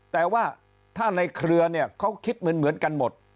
แต่ว่าถ้าในเครือเนี่ยเขาคิดเหมือนกันหมด